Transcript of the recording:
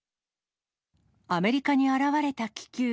アメリカに現れた気球。